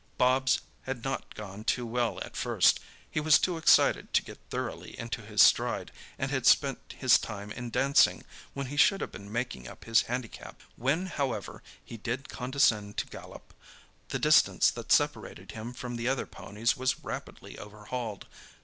Bobs had not gone too well at first—he was too excited to get thoroughly into his stride, and had spent his time in dancing when he should have been making up his handicap. When, however, he did condescend to gallop, the distance that separated him from the other ponies was rapidly overhauled.